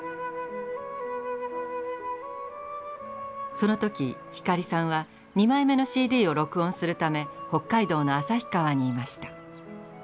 その時光さんは２枚目のＣＤを録音するため北海道の旭川にいました。